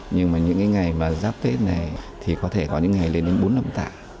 nhưng mà những cái ngày mà giáp tết này thì có thể có những ngày lên đến bốn năm tạ